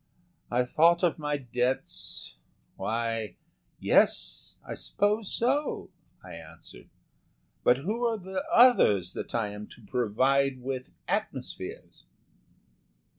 I thought of my debts ... "Why, yes, I suppose so," I answered. "But who are the others that I am to provide with atmospheres?"